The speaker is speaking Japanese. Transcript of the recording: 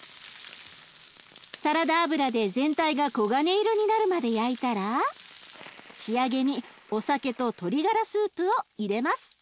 サラダ油で全体が黄金色になるまで焼いたら仕上げにお酒と鶏がらスープを入れます。